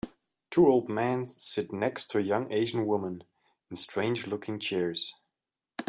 Two old men sit next to a young Asian woman in strange looking chairs.